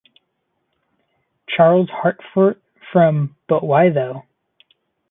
Charles Hartford from "But Why Tho"?